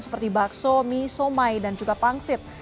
seperti bakso mie somai dan juga pangsit